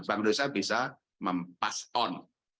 bank indonesia bisa mempass on